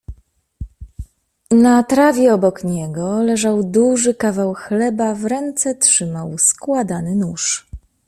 "Na trawie obok niego leżał duży kawał chleba, w ręce trzymał składany nóż."